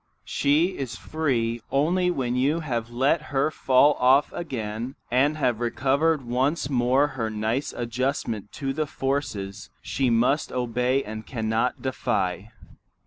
She is free only when you have let her fall off again and have recovered once more her nice adjustment to the forces she must obey and cannot defy.